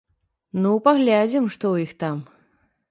Ну паглядзім, што ў іх там!